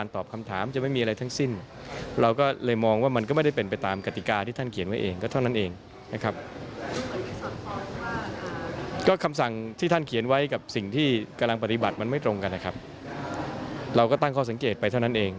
แต่ไหนก็ตั้งข้อสังเกตไปเท่านั้นเอง